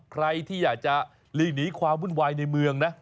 ใครที่อยากจะหลีกหนีความวุ่นวายในเมืองนะ